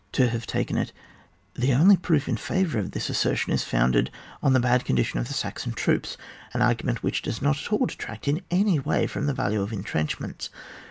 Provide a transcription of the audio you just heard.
to have taken it ; the only proof in favour of this assertion is founded on the bad condition of the Saxon troops ; an argu ment which does not at all detract in any way from the value of entrenchments.